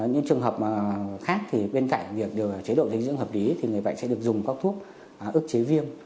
những trường hợp khác thì bên cạnh việc chế độ dinh dưỡng hợp lý thì người bệnh sẽ được dùng các thuốc ước chế viêm